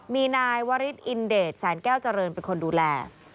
มีนายวริสอินเดชแสนแก้วเจริญเป็นคนดูแล